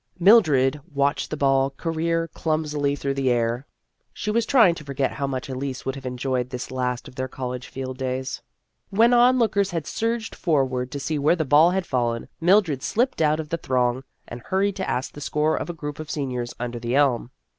Mildred watched the ball career clumsily through the air ; she was trying to forget how much Elise would have enjoyed this last of their college Field Days. When the onlookers had surged forward to see where the ball had fallen, Mildred slipped out of the throng, and hurried to ask the score of a group of seniors under the elm.